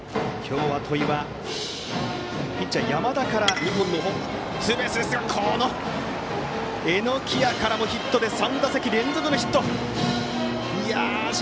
今日、戸井は山田から２本のツーベースですが榎谷からもヒットで３打席連続のヒット。